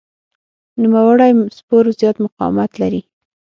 نوموړی سپور زیات مقاومت لري.